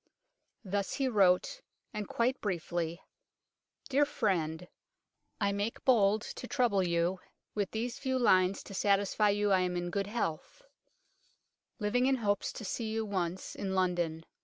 Thus he wrote, and quite briefly :" Dear frend, I make bould to trouble you with These few Lines to satisfy you I am In good health : 38 UNKNOWN LONDON Living in hopes to see you once : in London.